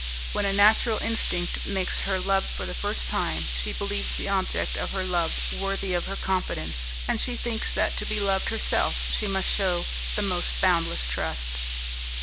When a natural instinct makes her love for the first time, she believes the object of her love worthy of her confidence, and she thinks that to be loved herself she must shew the most boundless trust.